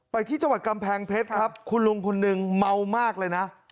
ที่จังหวัดกำแพงเพชรครับคุณลุงคนหนึ่งเมามากเลยนะ